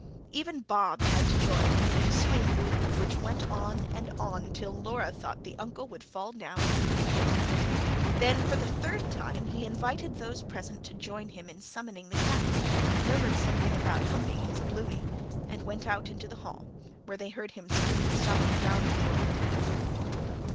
Even Bob had to join in the ensuing boohoo, which went on and on till Laura thought the Uncle would fall down in a fit. Then for the third time he invited those present to join him in summoning the cats, murmured something about "humping his bluey", and went out into the hall, where they heard him swinging Thumbby "round the world".